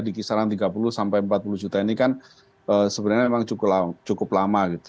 di kisaran tiga puluh sampai empat puluh juta ini kan sebenarnya memang cukup lama gitu